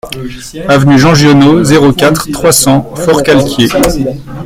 Avenue Jean Giono, zéro quatre, trois cents Forcalquier